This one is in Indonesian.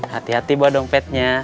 hati hati bawa dompetnya